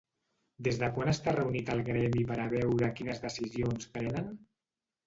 Des de quan està reunit el gremi per a veure quines decisions prenen?